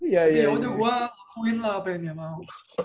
ya udah gue ngelakuin lah apa yang dia mau